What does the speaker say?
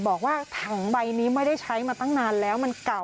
บอกว่าถังใบนี้ไม่ได้ใช้มาตั้งนานแล้วมันเก่า